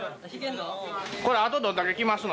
これあとどんだけ来ますの？